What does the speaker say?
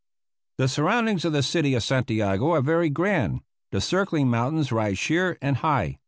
The surroundings of the city of Santiago are very grand. The circling mountains rise sheer and high.